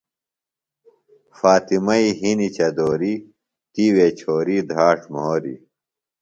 فاطمئی ہِنیۡ چدوریۡ، تِیوےۡ چھوری دھراڇ مُھوریۡ